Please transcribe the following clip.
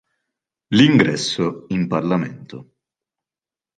L'ingresso in Parlamento.